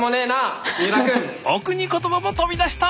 お国言葉も飛び出した！